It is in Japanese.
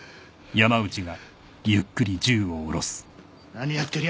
何やってる？